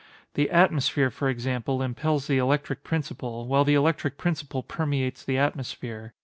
The atmosphere, for example, impels the electric principle, while the electric principle permeates the atmosphere.